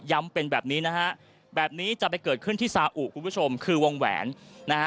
เป็นแบบนี้นะฮะแบบนี้จะไปเกิดขึ้นที่ซาอุคุณผู้ชมคือวงแหวนนะฮะ